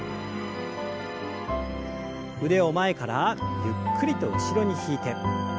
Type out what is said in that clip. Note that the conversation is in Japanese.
腕を前からゆっくりと後ろに引いて。